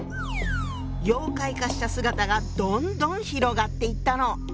妖怪化した姿がどんどん広がっていったの。